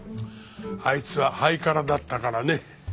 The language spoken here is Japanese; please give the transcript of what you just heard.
あいつはハイカラだったからね。